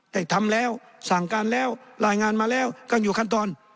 ได้ทำแล้วสั่งการแล้วรายงานมาแล้วก็อยู่ขั้นตอน